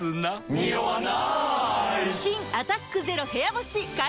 ニオわない！